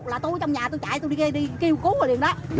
là tôi trong nhà tôi chạy tôi đi kêu cứu rồi liền đó